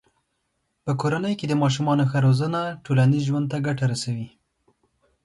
په کورنۍ کې د ماشومانو ښه روزنه ټولنیز ژوند ته ګټه رسوي.